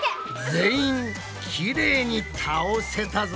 全員きれいに倒せたぞ。